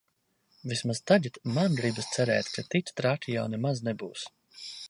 Vismaz tagad man gribas cerēt, ka tik traki jau nemaz nebūs.